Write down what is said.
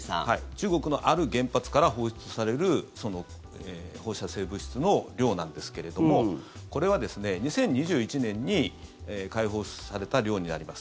中国のある原発から放出される放射性物質の量なんですけれどもこれは、２０２１年に海洋放出された量になります。